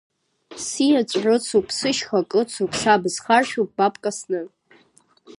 Сиаҵә-рыцуп, сышьха-кыцуп, са бысхаршәуп ба бкасны.